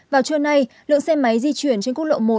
vào trưa nay lượng xe máy di chuyển trên quốc lộ một